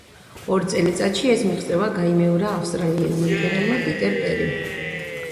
ორ წელიწადში ეს მიღწევა გაიმეორა ავსტრალიელმა მწერალმა პიტერ კერიმ.